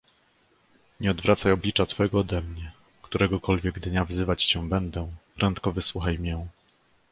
Nie odwracaj oblicza Twego odemnie: któregokolwiek dnia wzywać Cię będę, prędko wysłuchaj mię.